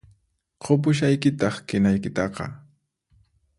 Qupushaykitáq qinaykitaqá